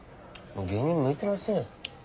芸人向いてませんよ。